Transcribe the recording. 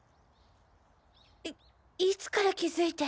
いいつから気づいて？